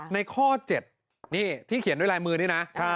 ในข้อ๗นี่ที่เขียนด้วยลายมือนี่นะ